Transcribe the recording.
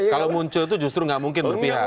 kalau muncul itu justru nggak mungkin berpihak